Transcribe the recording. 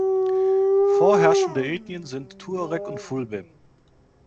Vorherrschende Ethnien sind Tuareg und Fulbe.